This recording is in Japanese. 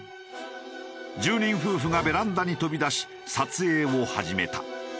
住人夫婦がベランダに飛び出し撮影を始めた。